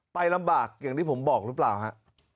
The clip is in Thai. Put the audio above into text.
ไปลำบากอย่างที่ผมบอกหรือเปล่าฮะ